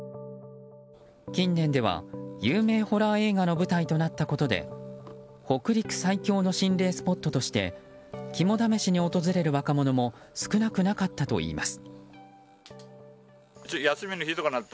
近年では、有名ホラー映画の舞台となったことで北陸最恐の心霊スポットとして肝試しに訪れる若者も少なくなかったといいます。